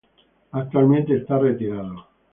Actualmente está retirado.